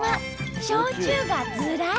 焼酎がずらり！